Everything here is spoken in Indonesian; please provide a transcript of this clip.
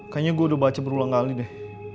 kayaknya gue udah baca berulang kali deh